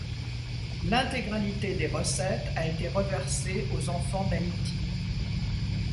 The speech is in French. L'intégralité des recettes a été reversée aux enfants d'Haïti.